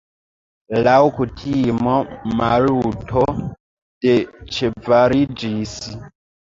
Laŭ kutimo Maluto deĉevaliĝis.